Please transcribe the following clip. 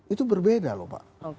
itu berbeda lho pak